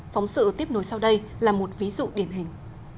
phóng sự tiếp nối sau đây là một ví dụ điển hình